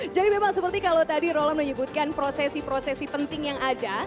jadi memang seperti kalau tadi roland menyebutkan prosesi prosesi penting yang ada